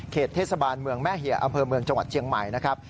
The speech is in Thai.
เทศบาลเมืองแม่เหี่ยอำเภอเมืองจังหวัดเชียงใหม่นะครับ